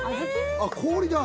あっ氷だ。